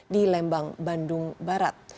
di lembang bandung barat